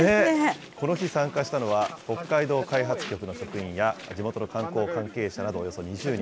この日、参加したのは北海道開発局の職員や、地元の観光関係者などおよそ２０人。